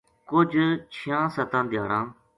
کجھ چھیاں ستاں دھیاڑاں